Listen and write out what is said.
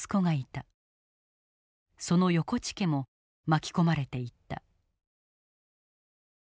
その横地家も巻き込まれていった。